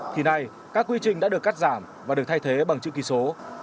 khi này các quy trình đã được cắt giảm và được thay thế bằng chữ kỷ số